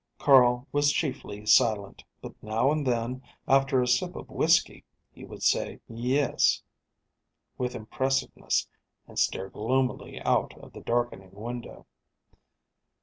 Carl was chiefly silent, but now and then, after a sip of whisky, he would say "Yes" with impressiveness and stare gloomily out of the darkening window.